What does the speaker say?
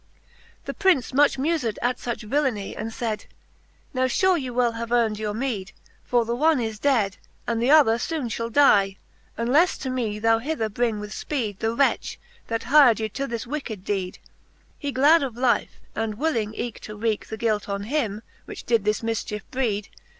XIII. The Prince much mufed at fuch villenie, And fayd ; Now fure ye well have earn'd your meed, For th'one is dead, and th' other foone jQiall die, Unleffe to me thou hether bring with fpeed The wretch, that hyr'd you to this wicked deed. He glad of life, and willing eke to wreake The guilt on him, which did this mifchiefe breed.